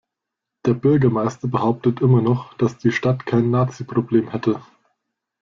Der Bürgermeister behauptet immer noch, dass die Stadt kein Naziproblem hätte.